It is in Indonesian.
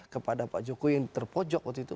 kepada pak jokowi yang terpojok waktu itu